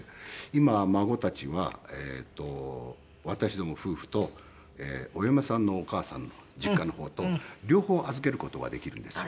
今孫たちは私ども夫婦とお嫁さんのお母さんの実家の方と両方預ける事ができるんですよね。